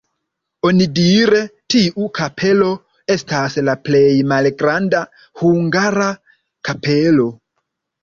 Onidire tiu kapelo estas la plej malgranda hungara kapelo.